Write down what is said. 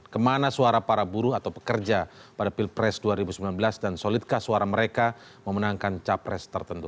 kemana suara para buruh atau pekerja pada pilpres dua ribu sembilan belas dan solidkah suara mereka memenangkan capres tertentu